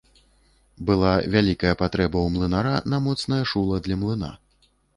Была вялікая патрэба ў млынара на моцнае шула для млына.